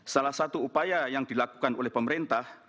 salah satu upaya yang dilakukan oleh pemerintah